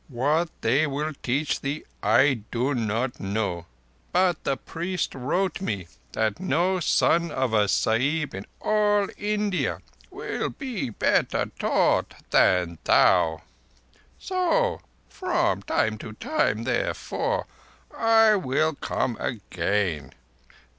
What they will teach thee I do not know, but the priest wrote me that no son of a Sahib in all India will be better taught than thou. So from time to time, therefore, I will come again.